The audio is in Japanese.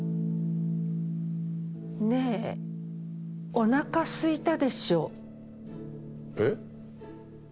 ねえ、おなかすいたでしょ？